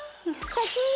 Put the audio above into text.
シャキーン！